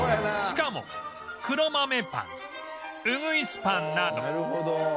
しかも黒豆ぱんうぐいすぱんなど